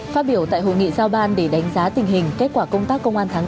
phát biểu tại hội nghị giao ban để đánh giá tình hình kết quả công tác công an tháng bốn